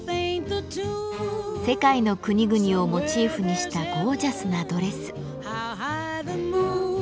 世界の国々をモチーフにしたゴージャスなドレス。